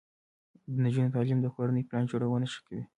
د نجونو تعلیم د کورنۍ پلان جوړونه ښه کوي.